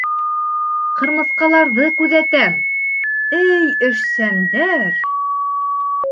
— Ҡырмыҫҡаларҙы күҙәтәм, әй эшсәндәр!